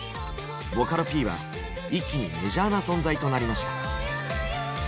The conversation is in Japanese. ボカロＰは一気にメジャーな存在となりました。